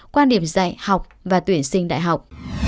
quan điểm dạy học và tuyển sinh đại học